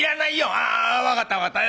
「ああ分かった分かった。